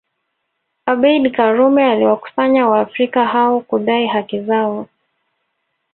Abeid Karume aliwakusanya waafrika hao kudai haki zao